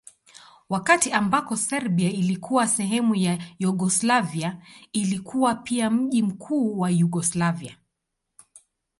Wakati ambako Serbia ilikuwa sehemu ya Yugoslavia ilikuwa pia mji mkuu wa Yugoslavia.